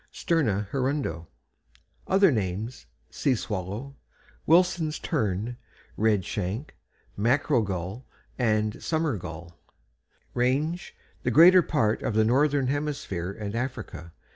= Sterna hirundo. Other names: "Sea Swallow," "Wilson's Tern," "Red Shank," "Mackerel Gull," and "Summer Gull." RANGE The greater part of the northern hemisphere and Africa.